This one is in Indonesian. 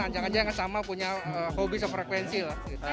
anjang anjang yang sama punya hobi sefrekuensi lah